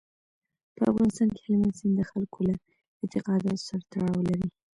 په افغانستان کې هلمند سیند د خلکو له اعتقاداتو سره تړاو لري.